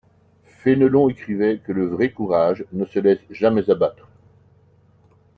Fénelon écrivait que le vrai courage ne se laisse jamais abattre.